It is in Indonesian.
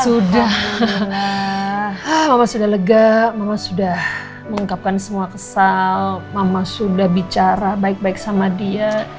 sudah mama sudah lega mama sudah mengungkapkan semua kesal mama sudah bicara baik baik sama dia